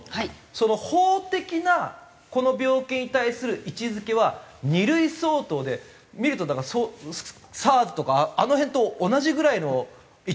その法的なこの病気に対する位置付けは２類相当で見るとだからＳＡＲＳとかあの辺と同じぐらいの位置付けですよと。